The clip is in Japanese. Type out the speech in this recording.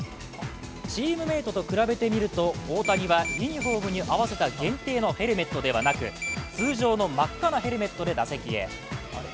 チームメートと比べでみると大谷はユニフォームに合わせた限定のヘルメットではなく通常の真っ赤なヘルメットで打席へ。